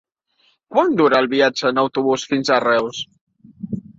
Quant dura el viatge en autobús fins a Reus?